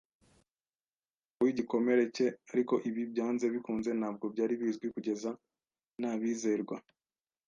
nimugoroba w'igikomere cye. Ariko ibi, byanze bikunze, ntabwo byari bizwi kugeza nabizerwa